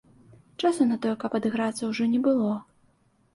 Часу на тое, каб адыграцца, ужо не было.